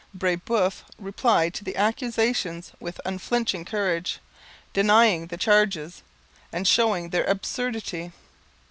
Brebeuf replied to the accusations with unflinching courage, denying the charges, and showing their absurdity.